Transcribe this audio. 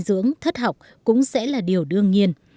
dinh dưỡng thất học cũng sẽ là điều đương nhiên